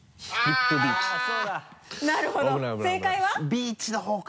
ビーチのほうか！